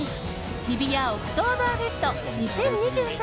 日比谷オクトーバーフェスト２０２３